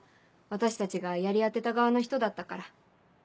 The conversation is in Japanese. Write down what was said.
私たちがやり合ってた側の人だったから。